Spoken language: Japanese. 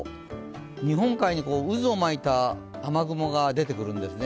日本海に渦を巻いた雨雲が出てくるんですね。